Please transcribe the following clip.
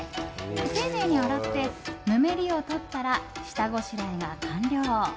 丁寧に洗って、ぬめりを取ったら下ごしらえが完了。